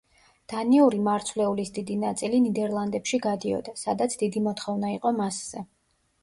დანიური მარცვლეულის დიდი ნაწილი ნიდერლანდებში გადიოდა, სადაც დიდი მოთხოვნა იყო მასზე.